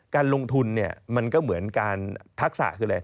การลงทุนเนี่ยมันก็เหมือนการทักษะคืออะไร